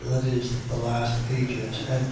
. .That is, the last ages. 10:12.